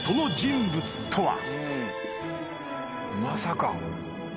まさか。